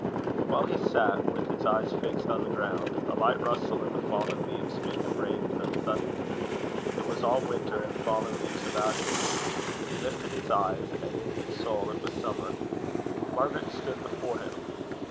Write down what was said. While he sat with his eyes fixed on the ground, a light rustle in the fallen leaves made him raise them suddenly. It was all winter and fallen leaves about him; but he lifted his eyes, and in his soul it was summer: Margaret stood before him.